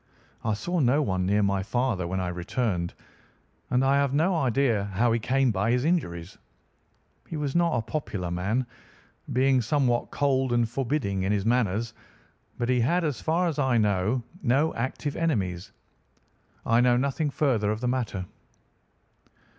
I saw no one near my father when I returned, and I have no idea how he came by his injuries. He was not a popular man, being somewhat cold and forbidding in his manners, but he had, as far as I know, no active enemies. I know nothing further of the matter.